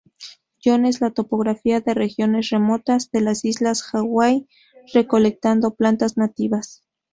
John en la topografía de regiones remotas de las islas Hawái recolectando plantas nativas.